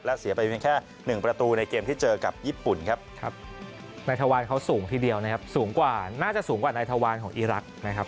และเสียไปเพียงแค่๑ประตูในเกมที่เจอกับญี่ปุ่นครับครับนายทวานเขาสูงทีเดียวนะครับสูงกว่าน่าจะสูงกว่านายทวารของอีรักษ์นะครับ